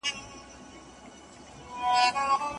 - عبدالاله رستاخیز، شاعر او څيړونکی .